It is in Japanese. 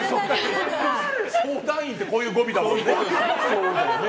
相談員ってこういう語尾だもんね。